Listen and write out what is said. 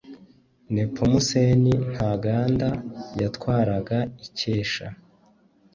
Nepomuseni Ntaganda yatwaraga Icyesha.